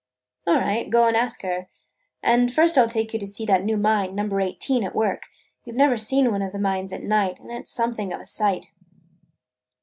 "All right, go and ask her. And first I 'll take you to see that new mine, Number Eighteen, at work. You 've never seen one of the mines at night and it 's something of a sight."